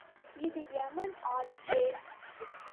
இது எமன் ஆச்சே!